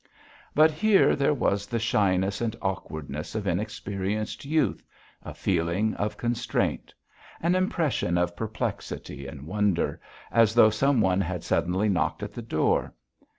But here there was the shyness and awkwardness of inexperienced youth, a feeling of constraint; an impression of perplexity and wonder, as though some one had suddenly knocked at the door.